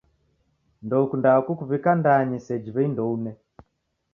Ndoukundaa kukuw'ika ndanyi seji w'ei ndoune.